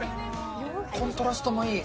コントラストもいい。